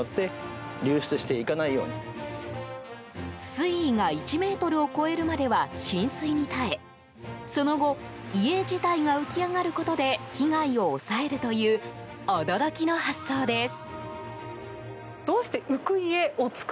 水位が１ｍを超えるまでは浸水に耐えその後家自体が浮き上がることで被害を抑えるという驚きの発想です。